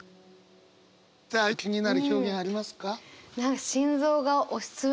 さあ気になる表現ありますか？